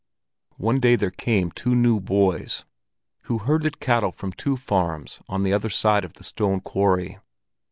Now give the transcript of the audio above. One day there came two new boys, who herded cattle from two farms on the other side of the stone quarry.